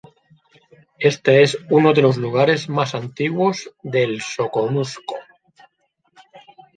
Este es uno de los lugares más antiguos del Soconusco.